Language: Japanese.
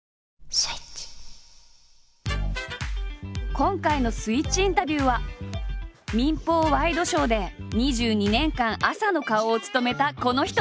今回の「スイッチインタビュー」は民放ワイドショーで２２年間朝の顔を務めたこの人。